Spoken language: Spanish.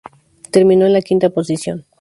Terminó en la quinta posición.